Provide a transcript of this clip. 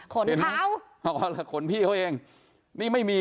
ขนเขาเอาล่ะขนพี่เขาเองนี่ไม่มี